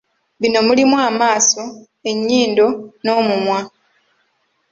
Bino mulimu amaaso, ennyindo n’omumwa.